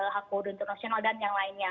hakkoden international dan yang lainnya